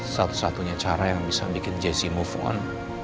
satu satunya cara yang bisa bikin jesse move on